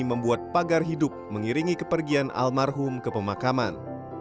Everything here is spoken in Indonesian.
membuat pagar hidup mengiringi kepergian almarhum ke pemakaman